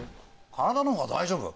体の方は大丈夫？